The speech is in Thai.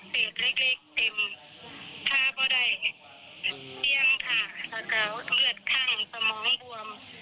ที่สั่งงานในร่างกายเพราะสั่งงานอย่างเร็ว